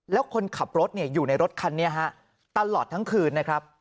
แล้วคนขับรถอยู่ในรถคันนี้ฮะตลอดทั้งคืนนะครับ